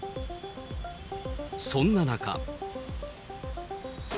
そんな中。